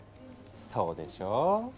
そうでしょう！